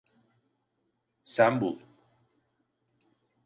Sen bul.